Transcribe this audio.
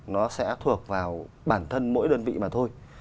nó sẽ thuộc vào bản thân mỗi đơn vị mà thôi